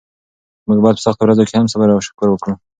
موږ باید په سختو ورځو کې هم صبر او شکر وکړو.